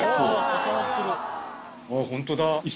ホントだ。